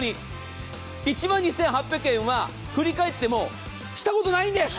１万２８００円は、振り返っても、したことないんです。